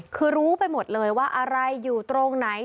คือรู้ไปหมดเลยว่าอะไรอยู่ตรงไหน